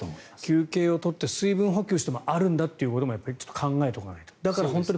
休憩を取って水分補給してもあるんだっていうことも考えておかないと。